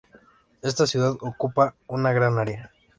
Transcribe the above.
Esta ciudad ocupa una gran área.